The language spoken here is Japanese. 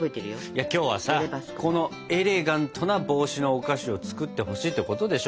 今日はさエレガントな帽子のお菓子を作ってほしいってことでしょ？